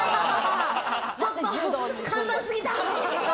ちょっと簡単すぎた。